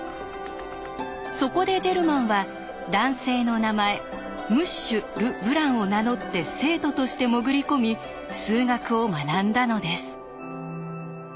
そこでジェルマンは男性の名前ムッシュル・ブランを名乗って生徒として潜り込み数学を学んだのです。